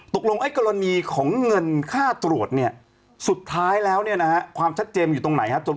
ไอ้กรณีของเงินค่าตรวจเนี่ยสุดท้ายแล้วเนี่ยนะฮะความชัดเจนอยู่ตรงไหนครับ